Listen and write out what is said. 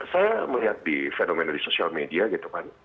saya melihat di fenomena di sosial media gitu kan